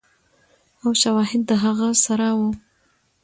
او شواهد د هغه سره ؤ